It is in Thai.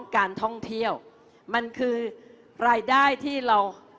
การท่องเที่ยวมันคือรายได้ที่เรา